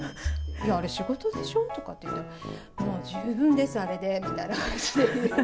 いや、あれ仕事でしょ？とかって言っても、もう十分です、あれで、みたいな感じで。